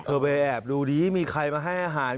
ไปแอบดูดีมีใครมาให้อาหาร